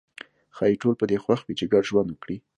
ښايي ټول په دې خوښ وي چې ګډ ژوند وکړي.